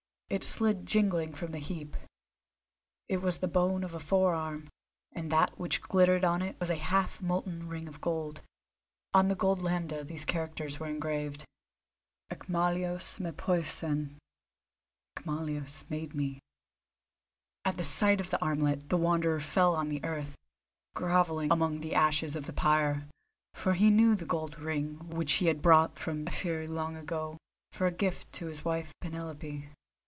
It slid jingling from the heap; it was the bone of a forearm, and that which glittered on it was a half molten ring of gold. On the gold lambda these characters were engraved: ΙΚΜΑΛΟΣ ΜΕΠΟΙΣΕΝ. (Icmalios made me.) At the sight of the armlet the Wanderer fell on the earth, grovelling among the ashes of the pyre, for he knew the gold ring which he had brought from Ephyre long ago, for a gift to his wife Penelope.